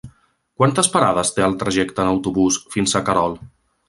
Quantes parades té el trajecte en autobús fins a Querol?